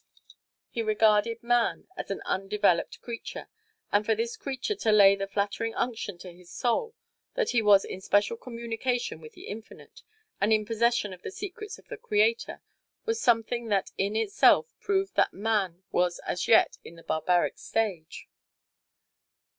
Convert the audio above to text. He regarded man as an undeveloped creature, and for this creature to lay the flattering unction to his soul that he was in special communication with the Infinite, and in possession of the secrets of the Creator, was something that in itself proved that man was as yet in the barbaric stage.